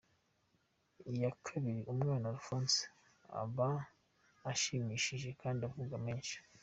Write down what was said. Iyo akiri umwana, Alphonse aba ashimishije kandi avuga menshi.